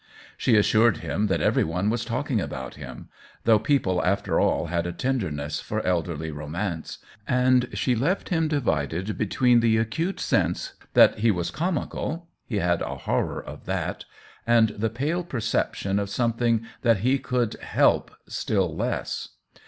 She assured him that every one was talking about him — though people after all had a tenderness for elderly romance ; and she left him divided between the acute sense that he was comical (he had a horror of that) and the pale perception of some thing that he could " help " still less.